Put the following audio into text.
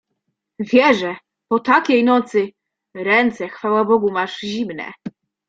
— Wierzę! Po takiej nocy! Ręce, chwała Bogu, masz zimne.